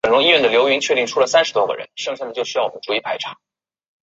她怕大家也变得不方便